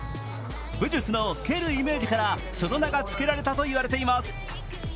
武術の蹴るイメージからその名がつけられたといいます。